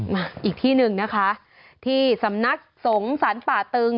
มาอีกที่หนึ่งนะคะที่สำนักสงสรรป่าตึง